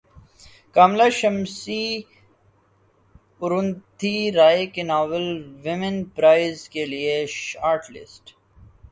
کاملہ شمسی اروندھتی رائے کے novel women prize کیلئے short list